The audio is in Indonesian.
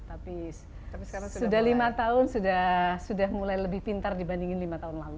tapi sudah lima tahun sudah mulai lebih pintar dibandingin lima tahun lalu